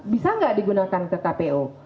bisa nggak digunakan ke kpu